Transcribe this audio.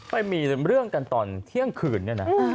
ไปมีเรื่องกันตอนเที่ยงคืนเนี่ยนะ